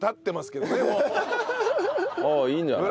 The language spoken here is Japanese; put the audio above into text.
いいんじゃない？